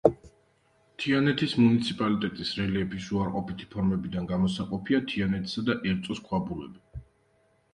თიანეთის მუნიციპალიტეტის რელიეფის უარყოფითი ფორმებიდან გამოსაყოფია თიანეთისა და ერწოს ქვაბულები.